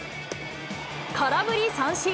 空振り三振。